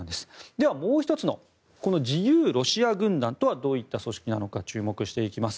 ではもう１つの自由ロシア軍団というのはどういった組織なのか注目していきます。